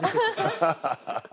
ハハハハ！